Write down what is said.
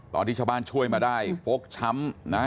ตอนที่ชาวบ้านช่วยมาได้ฟกช้ำนะ